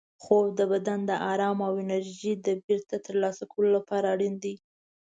خوب د بدن د ارام او انرژۍ بېرته ترلاسه کولو لپاره اړین دی.